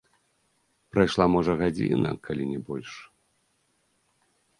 Прайшла, можа, гадзіна, калі не больш.